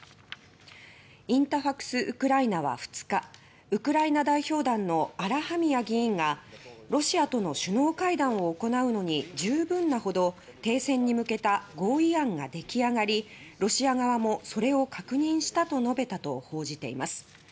インタファクス・ウクライナは２日ウクライナ代表団のアラハミア議員が「ロシアとの首脳会談を行うのに十分なほど停戦に向けた合意案が出来上がりロシア側もそれを確認した」と述べた、と報じています。